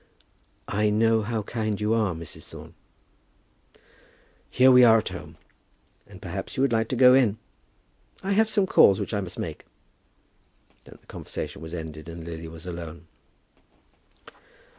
"I know how kind you are, Mrs. Thorne." "Here we are at home, and perhaps you would like to go in. I have some calls which I must make." Then the conversation was ended, and Lily was alone.